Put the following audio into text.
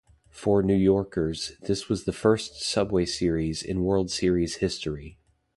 For New Yorkers, this was the first subway Series in World Series history.